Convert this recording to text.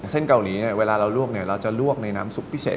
เส้นเกาหลีเวลาเราลวกเราจะลวกในน้ำซุปพิเศษ